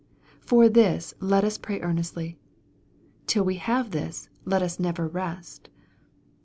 For this let us piay ear nestly. Till we have this, lot us never rest.